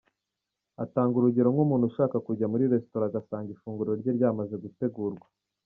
Atanga urugero nk’umuntu ushaka kujya muri restaurant agasanga ifunguro rye ryamaze gutegurwa.